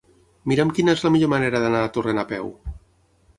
Mira'm quina és la millor manera d'anar a Torrent a peu.